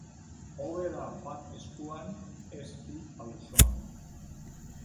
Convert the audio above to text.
Hobe da bat eskuan, ez bi auzoan.